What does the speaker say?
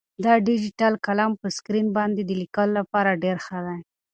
دا ډیجیټل قلم په سکرین باندې د لیکلو لپاره ډېر ښه دی.